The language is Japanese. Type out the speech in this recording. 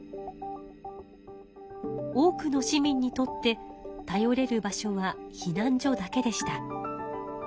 多くの市民にとって頼れる場所は避難所だけでした。